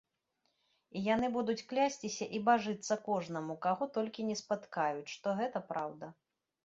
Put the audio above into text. І яны будуць клясціся і бажыцца кожнаму, каго толькі не спаткаюць, што гэта праўда.